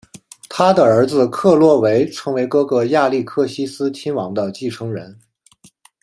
他的儿子克洛维成为哥哥亚历克西斯亲王的继承人。